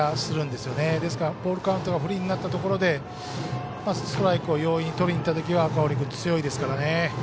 ですから、ボールカウントが不利になったところでストライクを容易にとりにいった時は赤堀君が強いですからね。